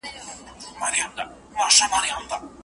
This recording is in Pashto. ښکارول به یې سېلونه د مرغانو